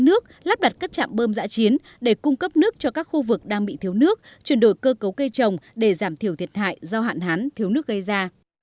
nước lắp đặt các trạm bơm giã chiến để cung cấp nước cho các khu vực đang bị thiếu nước chuyển đổi cơ cấu cây trồng để giảm thiểu thiệt hại do hạn hán thiếu nước gây ra